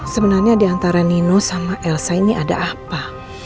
sebenarnya diantara nino sama elsa ini ada apa